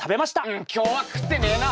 うん今日は食ってねえな。